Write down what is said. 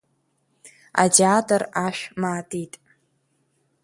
Атеатр ашә маатит.